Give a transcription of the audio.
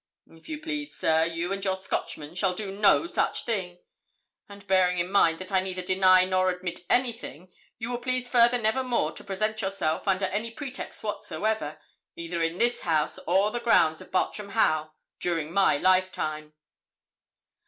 'If you please, sir, you and your Scotchman shall do no such thing; and, bearing in mind that I neither deny nor admit anything, you will please further never more to present yourself, under any pretext whatsoever, either in this house or on the grounds of Bartram Haugh, during my lifetime.'